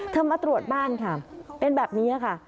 มาตรวจบ้านค่ะเป็นแบบนี้ค่ะ